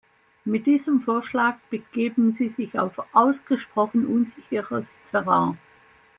Mit diesem Vorschlag begeben Sie sich auf ausgesprochen unsicheres Terrain.